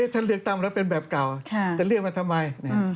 ถ้าเลือกตั้งเป็นแบบเก่าจะเลือกมันทำไม